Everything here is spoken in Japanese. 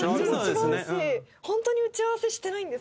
本当に打ち合わせしてないんですか？